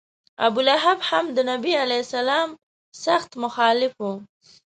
ابولهب هم د نبي علیه سلام سخت مخالف و.